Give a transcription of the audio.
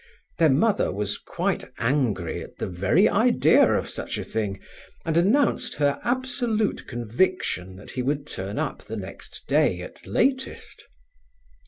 Their mother was quite angry at the very idea of such a thing, and announced her absolute conviction that he would turn up the next day at latest.